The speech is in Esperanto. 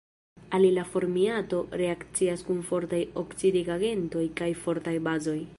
Alila formiato reakcias kun fortaj oksidigagentoj kaj fortaj bazoj.